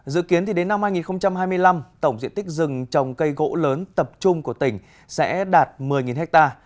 dự kiến đến năm hai nghìn hai mươi năm tổng diện tích rừng trồng cây gỗ lớn tập trung của tỉnh sẽ đạt một mươi ha